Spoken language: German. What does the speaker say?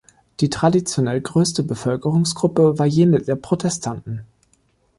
Die traditionell größte Bevölkerungsgruppe war jene der Protestanten.